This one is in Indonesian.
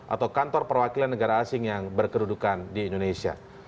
atau kantor perwakilan negara asing yang berkerudukan di indonesia